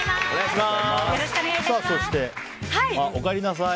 そして、おかえりなさい！